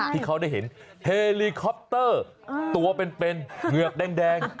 ที่เขาได้เห็นเฮลีคอปเตอร์ตัวเป็นเหงือกแดง